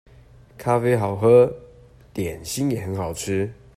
咖啡好喝，點心也很好吃